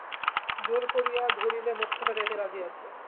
জোর করিয়া ধরিলে মোক্ষদা যাইতে রাজি আছে।